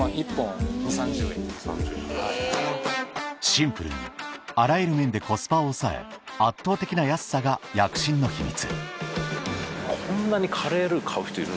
シンプルにあらゆる面でコスパを抑え圧倒的な安さが躍進の秘密